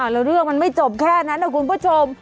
แล้วเรื่องมันไม่จบแค่นั้นนะคุณผู้ชม